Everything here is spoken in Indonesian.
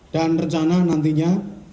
dan rencana nantinya